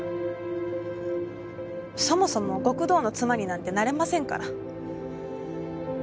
そもそも極道の妻になんてなれませんから。